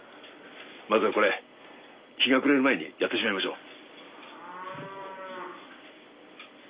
まずはこれ日が暮れる前にやってしまいましょう。